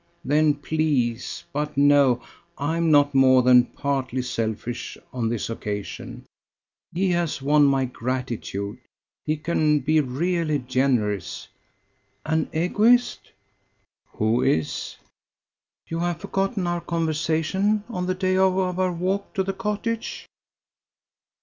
Then, please! But, no; I am not more than partly selfish on this occasion. He has won my gratitude. He can be really generous." "An Egoist?" "Who is?" "You have forgotten our conversation on the day of our walk to the cottage?"